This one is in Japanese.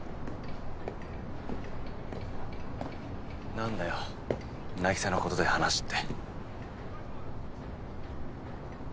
なんだよ凪沙のことで話って。